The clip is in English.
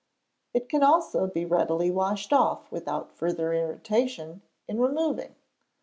It can also be readily washed off, without further irritation in removing.